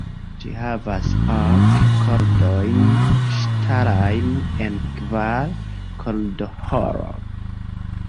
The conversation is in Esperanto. Ĝi havas ok kordojn ŝtalajn en kvar kordoĥoroj.